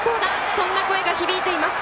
そんな声が響いています。